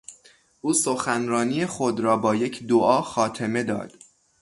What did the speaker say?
او سخنرانی خود را با یک دعا خاتمه داد.